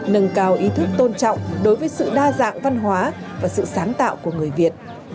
một ý thức tôn trọng đối với sự đa dạng văn hóa và sự sáng tạo của người việt